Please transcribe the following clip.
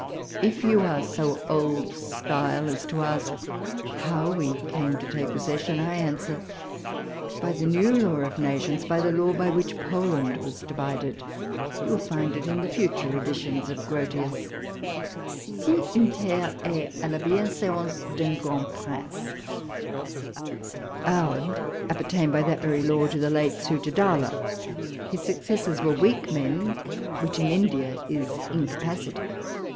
If you are so oUl styh: as to ask how we came to take possession, I answer, by the new law of nations ; by the law by which Poland was divided. You will find it in the future editions of Grotius, " Si une terre est a la bienseance d'un grand Prince." Oudc appertained by that very law to the late Sujah Dowla. His successors were weak men, which in India is incapacity.